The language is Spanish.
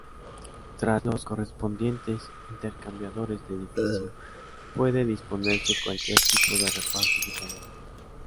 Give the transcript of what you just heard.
Tras los correspondientes intercambiadores de edificio, puede disponerse cualquier tipo de reparto de calor.